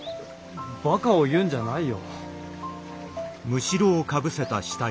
ばかを言うんじゃないよ。